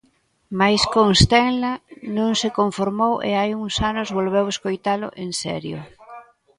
Mais Constenla non se conformou e hai uns anos volveu escoitalo "en serio".